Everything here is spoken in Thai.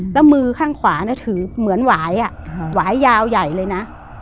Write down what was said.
แล้วมือข้างขวาเนี่ยถือเหมือนหวายหวายยาวใหญ่เลยนะ